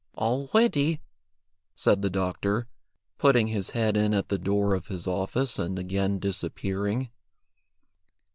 "All ready," said the doctor, putting his head in at the door of his office and again disappearing.